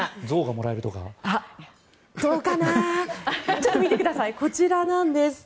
ちょっと見てくださいこちらなんです。